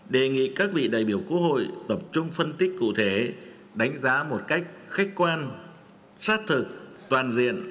đề nghị các vị đại biểu quốc hội tập trung phân tích cụ thể đánh giá một cách khách quan sát thực toàn diện